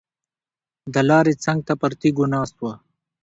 د لارې څنګ ته پر تیږو ناست وو.